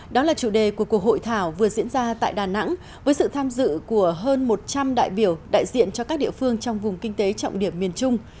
đó là chủ đề của cuộc hội thảo vừa diễn ra tại đà nẵng với sự tham dự của hơn một trăm linh đại biểu đại diện cho các địa phương trong vùng kinh tế trọng điểm miền trung